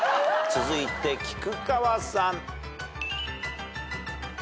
続いて菊川さん。